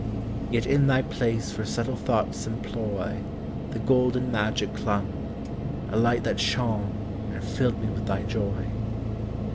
Yet in thy place for subtle thoughts' employ The golden magic clung, a light that shone And filled me with thy joy.